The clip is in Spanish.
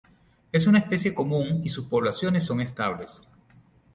Es una especie común y sus poblaciones son estables.